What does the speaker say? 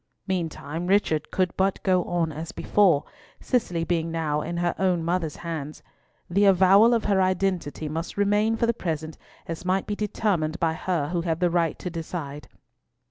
Meantime, Richard could but go on as before, Cicely being now in her own mother's hands. The avowal of her identity must remain for the present as might be determined by her who had the right to decide.